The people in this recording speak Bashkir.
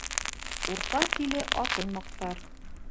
Урта тиле атын маҡтар